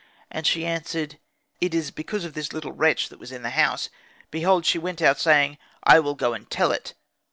And she answered, "It is because of this little wretch that was in the house; behold she went out saying, 'I will go and tell it.'"